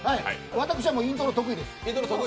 私はイントロ得意です。